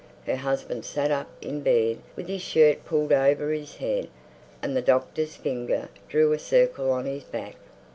Her husband sat up in bed with his shirt pulled over his head, and the doctor's finger drew a circle on his back.